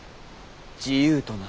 自由とな。